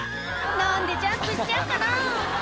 何でジャンプしちゃうかな？